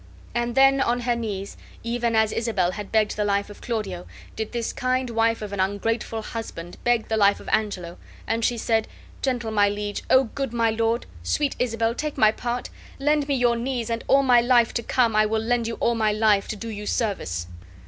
And then on her knees, even as Isabel had begged the life of Claudio, did this kind wife of an ungrateful husband beg the life of Angelo; and she said: "Gentle my liege, O good my lord! Sweet Isabel, take my part! Lend me your knees and all my life to come I will lend you all my life, to do you service!"